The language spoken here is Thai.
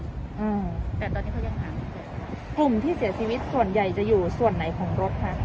อืมแต่ตอนนี้เขายังหาไม่เจอกลุ่มที่เสียชีวิตส่วนใหญ่จะอยู่ส่วนไหนของรถคะ